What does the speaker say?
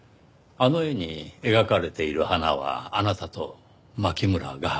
あの絵に描かれている花はあなたと牧村画伯